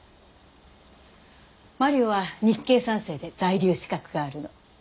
マリオは日系三世で在留資格があるの。